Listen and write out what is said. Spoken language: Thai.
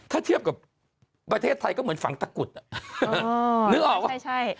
ถ้าเทียบกับประเทศไทยก็เหมือนฝังตะกุดนึกออกว่า